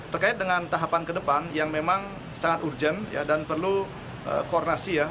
terkait dengan tahapan ke depan yang memang sangat urgent dan perlu koordinasi ya